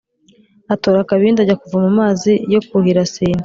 atora akabindi, ajya kuvoma amazi yo kuhira sine.